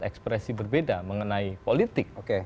ekspresi berbeda mengenai politik